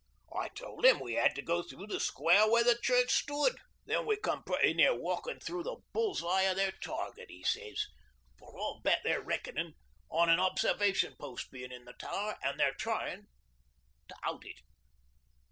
'I told him we 'ad to go through the square where the church stood. '"Then we come pretty near walkin' through the bull's eye o' their target," he sez; "for I'll bet they're reckonin' on an observation post bein' in the tower, an' they're tyin' to out it."